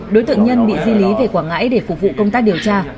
đối tượng nhân bị di lý về quảng ngãi để phục vụ công tác điều tra